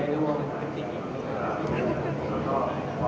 สวัสดีครับ